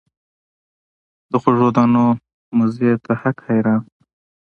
د خوږو دانو مزې ته هک حیران سو